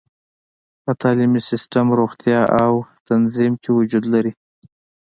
په تعلیمي سیستم، روغتیا او تنظیم کې وجود لري.